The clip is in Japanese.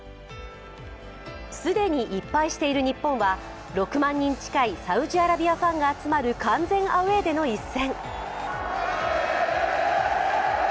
既に１敗している日本は６万人近いサウジアラビアファンが集まる完全アウェーでの一戦。